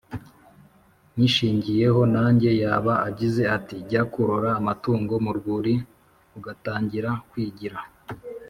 Nyishingeho nanjye"Yaba agize ati "jya kurora Amatungo mu rwuri Ugatangira kwigira